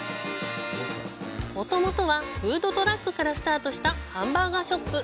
もともとはフードトラックからスタートしたハンバーガーショップ。